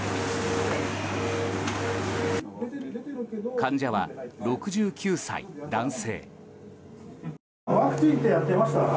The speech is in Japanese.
患者は６９歳、男性。